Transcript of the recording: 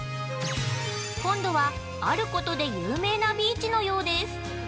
今度は、あることで有名なビーチのようです。